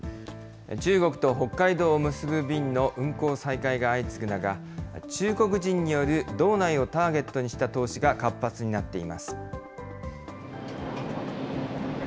中国と北海道を結ぶ便の運航再開が相次ぐ中、中国人による道内をターゲットにした投資が活発になっています。